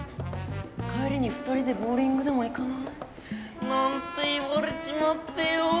「帰りに２人でボウリングでも行かない？」なんて言われちまってよぉ。